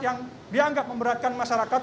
yang dianggap memberatkan masyarakat